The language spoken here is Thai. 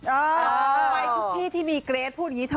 ไปทุกที่ที่มีเกรทพูดอย่างนี้เถ